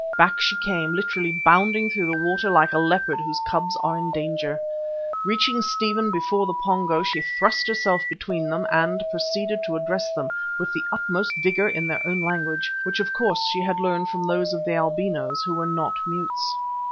Back she came, literally bounding through the water like a leopard whose cubs are in danger. Reaching Stephen before the Pongo she thrust herself between him and them and proceeded to address them with the utmost vigour in their own language, which of course she had learned from those of the albinos who were not mutes.